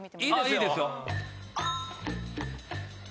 いいですよ。